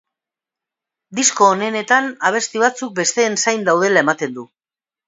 Disko onenetan, abesti batzuk besteen zain daudela ematen du.